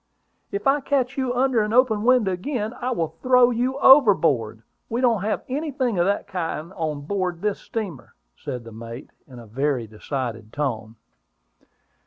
"If I ever catch you under an open window again, I will throw you overboard. We don't have anything of that kind on board of this steamer," said the mate, in a very decided tone.